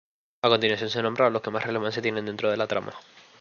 A continuación se nombran a los que más relevancia tienen dentro de la trama.